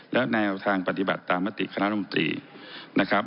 และแนวทางปฏิบัติตามมติคณะรมตรีนะครับ